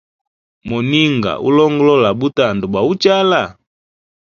Moninga ulongolola butanda bwa uchala?